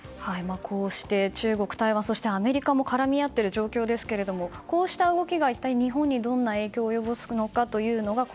こうして中国、台湾そしてアメリカも絡み合っている状況ですけどもこうした動きが一体、日本にどんな影響を及ぼすのか。